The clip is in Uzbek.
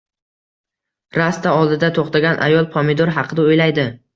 Rasta oldida to‘xtagan ayol pomidor haqida o‘ylaydi